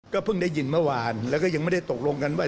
เพิ่งได้ยินเมื่อวานแล้วก็ยังไม่ได้ตกลงกันว่า